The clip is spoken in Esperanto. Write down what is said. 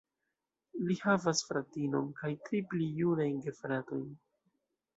Li havas fratinon kaj tri pli junajn gefratojn.